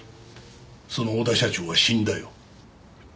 その小田社長は死んだよ。